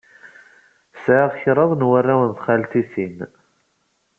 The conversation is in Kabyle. Sɛiɣ kraḍ n warraw n txaltitin.